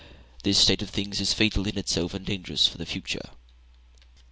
This state of things is fatal in itself and dangerous for the future.